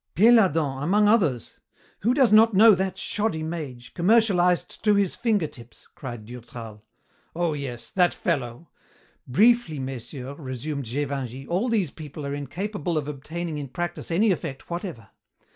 "Péladan, among others. Who does not know that shoddy mage, commercialized to his fingertips?" cried Durtal. "Oh, yes, that fellow " "Briefly, messieurs," resumed Gévingey, "all these people are incapable of obtaining in practise any effect whatever.